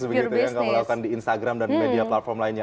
begitu yang kamu lakukan di instagram dan media platform lainnya